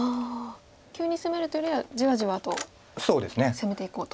急に攻めるというよりはじわじわと攻めていこうと。